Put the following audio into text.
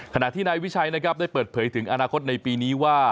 ขณะที่นายวิชัยนะครับได้เปิดเผยถึงอนาคตในปีนี้ว่า